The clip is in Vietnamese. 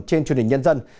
trên truyền hình nhân dân